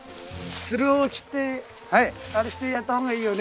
つるを切ってあれしてやった方がいいよね。